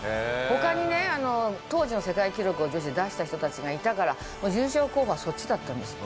他にね当時の世界記録を女子で出した人たちがいたから優勝候補はそっちだったんです。